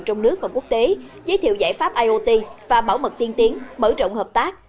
trong nước và quốc tế giới thiệu giải pháp iot và bảo mật tiên tiến mở rộng hợp tác